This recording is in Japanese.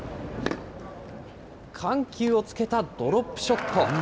緩急をつけたドロップショット。